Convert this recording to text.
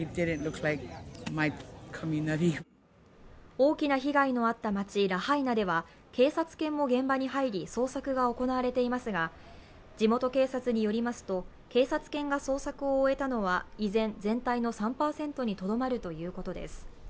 大きな被害のあった町、ラハイナでは警察犬も現場に入り捜索が行われていますが、地元警察によりますと警察犬が捜索を終えたのは依然、全体の３％にとどまるということです。